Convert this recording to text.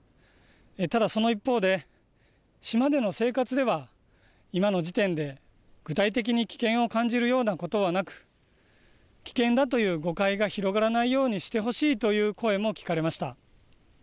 ただ、その一方で島での生活では、今の時点で具体的に危険を感じるようなことはなく、危険だという誤解が広がらないようにしてほしいという声も聞かれました。